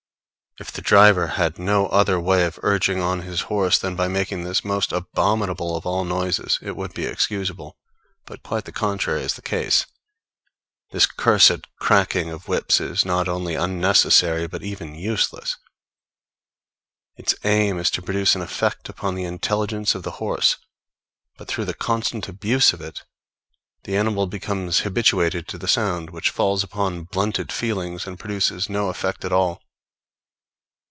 If the driver had no other way of urging on his horse than by making this most abominable of all noises, it would be excusable; but quite the contrary is the case. This cursed cracking of whips is not only unnecessary, but even useless. Its aim is to produce an effect upon the intelligence of the horse; but through the constant abuse of it, the animal becomes habituated to the sound, which falls upon blunted feelings and produces no effect at all.